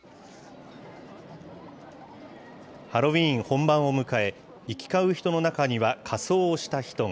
ハロウィーン本番を迎え、行き交う人の中には、仮装をした人が。